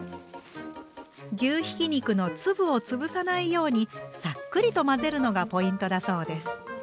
牛ひき肉の粒を潰さないようにさっくりと混ぜるのがポイントだそうです。